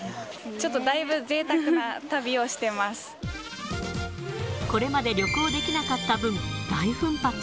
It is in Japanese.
ちょっとだいぶ、ぜいたくなこれまで旅行できなかった分、大奮発。